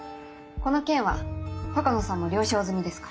この件は鷹野さんも了承済みですから。